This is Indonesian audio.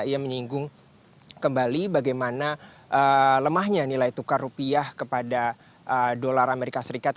ia menyinggung kembali bagaimana lemahnya nilai tukar rupiah kepada dolar amerika serikat